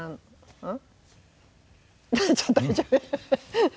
うん。